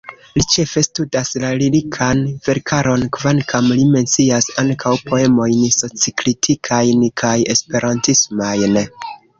Li ĉefe studas la lirikan verkaron, kvankam li mencias ankaŭ poemojn socikritikajn kaj esperantismajn.